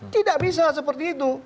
tidak bisa seperti itu